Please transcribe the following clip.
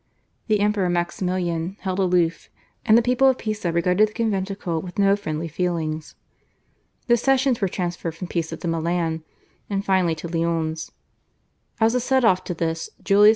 The Emperor Maximilian held aloof, and the people of Pisa regarded the conventicle with no friendly feelings. The sessions were transferred from Pisa to Milan, and finally to Lyons. As a set off to this Julius II.